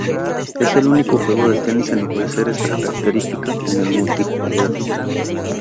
Es el único juego de tenis en ofrecer esta característica en el multijugador.